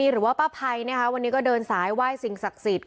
หรือว่าป้าภัยวันหนี้ก็เดินสายไหว้สิงศักดิ์ศิลป์